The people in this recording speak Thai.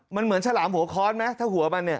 มันเหมือนฉลามหัวค้อนไหมถ้าหัวมันเนี่ย